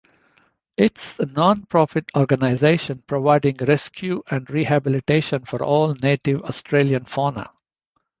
It is a non-profit organisation providing rescue and rehabilitation for all native Australian fauna.